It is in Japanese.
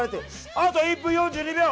あと１分４２秒！